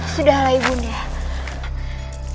sudahlah ibu undang